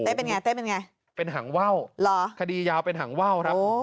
เป็นไงเต้เป็นไงเป็นหางว่าวเหรอคดียาวเป็นหางว่าวครับ